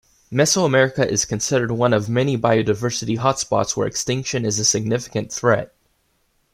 Mesoamerica is considered one of many biodiversity hotspots where extinction is a significant threat.